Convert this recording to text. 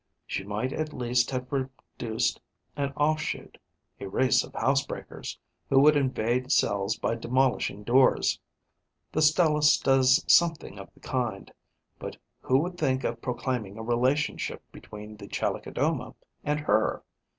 She might at least have produced an offshoot, a race of housebreakers, who would invade cells by demolishing doors. The Stelis does something of the kind; but who would think of proclaiming a relationship between the Chalicodoma and her?